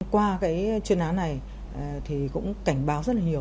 qua chuyên án này cũng cảnh báo rất nhiều